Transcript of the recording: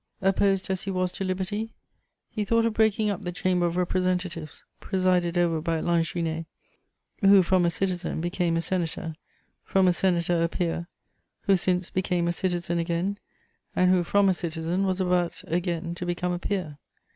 Opposed as he was to liberty, he thought of breaking up the Chamber of Representatives, presided over by Lanjuinais, who from a citizen became a senator, from a senator a peer, who since became a citizen again, and who from a citizen was about again to become a peer.